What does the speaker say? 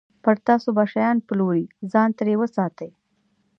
پر تاسو به شیان پلوري، ځان ترې وساتئ.